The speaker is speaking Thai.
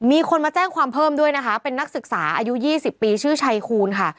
มีคนมาแจ้งความเพิ่มด้วยนะคะเป็นนักศึกษาอายุ๒๐ปีชื่อชัยคูณค่ะ